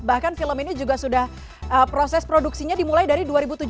bahkan film ini juga sudah proses produksinya dimulai dari dua ribu tujuh belas